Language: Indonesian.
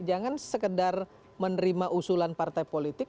jangan sekedar menerima usulan partai politik